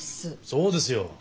そうですよ。